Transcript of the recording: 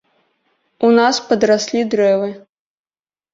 У нас падраслі дрэвы!